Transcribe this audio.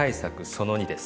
その２です。